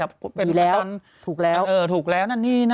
เห็นแล้วถูกแล้ว